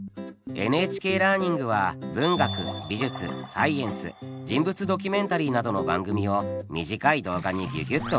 ＮＨＫラーニングは文学美術サイエンス人物ドキュメンタリーなどの番組を短い動画にギュギュッと凝縮。